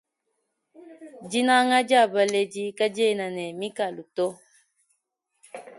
Dinanga dia baledi kadiena ne mikalu to.